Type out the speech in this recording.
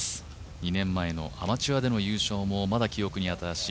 ２年前のアマチュアでの優勝もまだ記憶に新しい